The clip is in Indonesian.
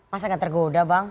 masa gak tergoda bang